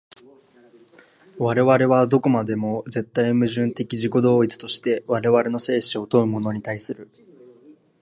我々はどこまでも絶対矛盾的自己同一として我々の生死を問うものに対する。